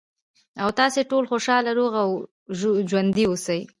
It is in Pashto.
، او تاسې ټول خوشاله، روغ او ژوندي اوسئ.